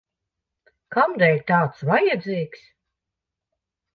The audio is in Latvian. Kamdēļ tāds vajadzīgs?